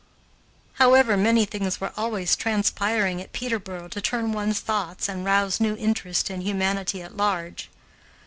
However, many things were always transpiring at Peterboro to turn one's thoughts and rouse new interest in humanity at large.